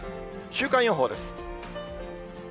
週間予報です。